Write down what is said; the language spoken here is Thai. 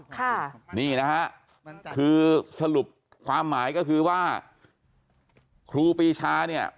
ค่ะนี่นะฮะคือสรุปความหมายก็คือว่าครูปีชาเนี่ย